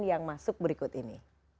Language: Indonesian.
yang masuk berikut ini